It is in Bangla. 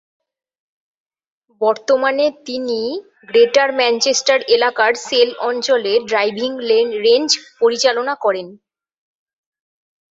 বর্তমানে তিনি তিনি গ্রেটার ম্যানচেস্টার এলাকার "সেল" অঞ্চলে ড্রাইভিং রেঞ্জ পরিচালনা করেন।